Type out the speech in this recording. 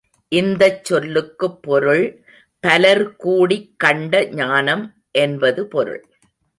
இந்தச் சொல்லுக்குப் பொருள் பலர் கூடிக் கண்ட ஞானம், என்பது பொருள்.